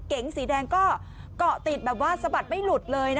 เก๋งสีแดงก็เกาะติดแบบว่าสะบัดไม่หลุดเลย